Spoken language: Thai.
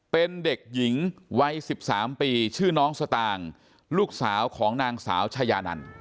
เป็นเด็กหญิงวัย๑๓ปีชื่อน้องสตางค์ลูกสาวของนางสาวชายานัน